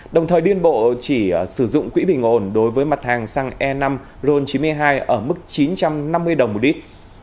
đồng thời liên bộ chỉ sử dụng quỹ bình ổn đối với mặt hàng xăng e năm ron chín mươi hai ở mức chín trăm năm mươi đồng một lít